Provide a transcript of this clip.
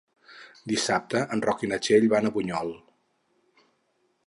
Dissabte en Roc i na Txell van a Bunyol.